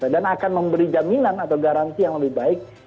dan akan memberi jaminan atau garansi yang lebih baik